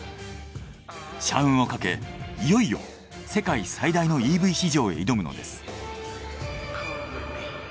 社運をかけいよいよ世界最大のＥＶ市場へ挑むのです。